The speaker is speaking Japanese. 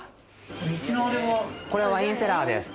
これはワインセラーです。